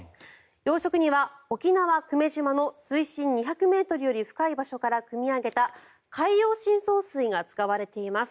養殖には沖縄・久米島の水深２００ｍより深い場所からくみ上げた海洋深層水が使われています。